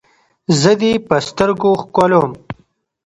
زه دې په سترګو ښکلوم.